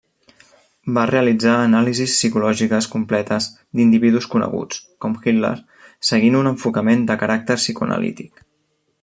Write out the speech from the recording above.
Va realitzar anàlisis psicològiques completes d'individus coneguts, com Hitler, seguint un enfocament de caràcter psicoanalític.